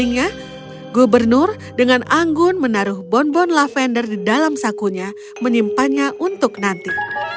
sehingga gubernur dengan anggun menaruh bonbon lavender di dalam sakunya menyimpannya untuk nanti